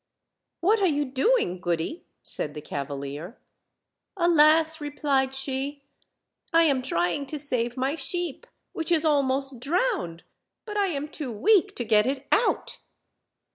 "What are you doing, Goody?" said the cavalier. "Alas!" replied she, "I am trying to save my sheep, which is almost drowned; but I am too weak to get it out.'